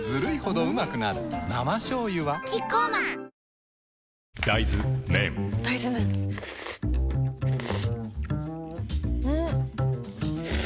生しょうゆはキッコーマン大豆麺ん？